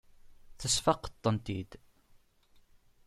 Tesfaqeḍ-tent-id.